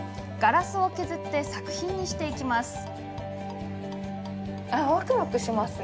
ガラスを削って作品にしていきます。